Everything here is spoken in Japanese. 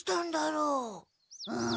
うん。